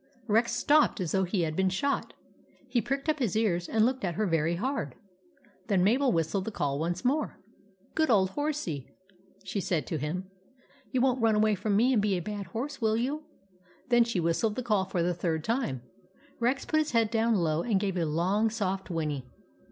1 j p j h — n~ h Rex stopped as though he had been shot. He pricked up his ears and looked at her very hard. Then Mabel whistled the call once more. " Good old horsey," she said to him. " You won't run away from me and be a bad horse, will you ?" Then she whistled the call for the third time. Rex put his head down low and gave a long soft whinny.